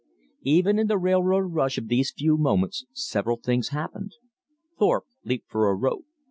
Even in the railroad rush of those few moments several things happened. Thorpe leaped for a rope.